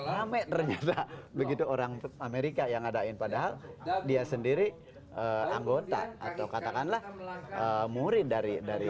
rame ternyata begitu orang amerika yang ngadain padahal dia sendiri anggota atau katakanlah murid dari